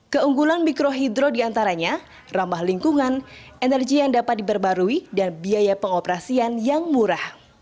keunggulan mikrohidro diantaranya ramah lingkungan energi yang dapat diperbarui dan biaya pengoperasian yang murah